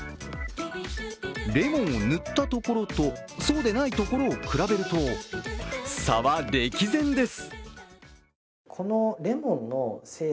レモンを塗ったところとそうでないところを比べると差は歴然です。